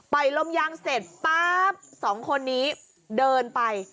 ปล่อยลมยางเสร็จปั๊บสองคนนี้เดินไป